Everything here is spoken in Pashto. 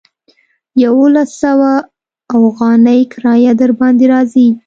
يوولس سوه اوغانۍ کرايه درباندې راځي.